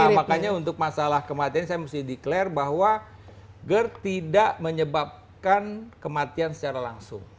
nah makanya untuk masalah kematian saya mesti declare bahwa gerd tidak menyebabkan kematian secara langsung